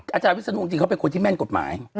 อาจารย์วิศนุจริงเขาเป็นคนที่แม่นกฎหมาย